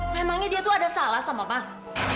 memangnya dia tuh ada salah sama mas